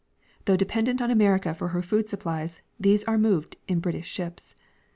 Though dejiendent on America for her food supplies, these are moved in British ships.